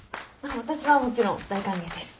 私はもちろん大歓迎です。